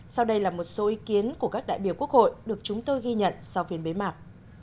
sau đây là một số ý kiến của các đại biểu quốc hội được chúng tôi ghi nhận sau phiên bế mạc